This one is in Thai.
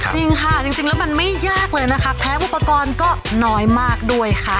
จริงค่ะจริงแล้วมันไม่ยากเลยนะคะแพ้อุปกรณ์ก็น้อยมากด้วยค่ะ